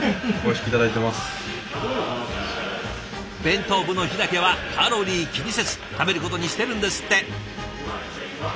弁当部の日だけはカロリー気にせず食べることにしてるんですって。